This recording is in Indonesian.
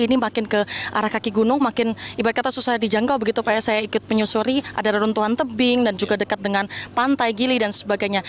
ini makin ke arah kaki gunung makin ibarat kata susah dijangkau begitu pak ya saya ikut menyusuri ada reruntuhan tebing dan juga dekat dengan pantai gili dan sebagainya